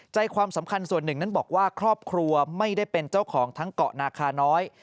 ความสำคัญส่วนหนึ่งนั้นบอกว่าครอบครัวไม่ได้เป็นเจ้าของทั้งเกาะนาคาน้อย